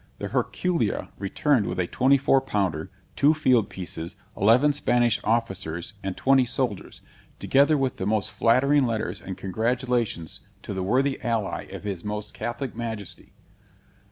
The Herculia returned with a twenty four pounder, two field pieces, eleven Spanish officers, and twenty soldiers, together with the most flattering letters and congratulations to the worthy ally of his Most Catholic Majesty.